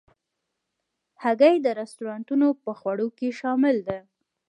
هګۍ د رستورانتو په خوړو کې شامل ده.